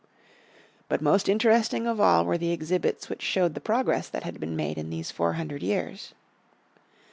But most interesting of all were the exhibits which showed the progress that had been made in these four hundred years.